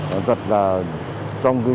đồng tiền là một đồng viên